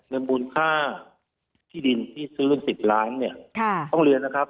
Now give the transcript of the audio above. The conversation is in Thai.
ในมูลค่าที่ดินที่ซื้อรุ่น๑๐ล้านต้องเรียนนะครับ